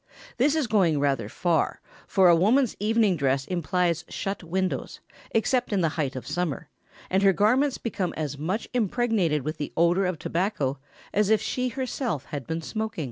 This is going rather far, for a woman's evening dress implies shut windows, except in the height of summer, and her garments become as much impregnated with the odour of tobacco as if she had herself been smoking.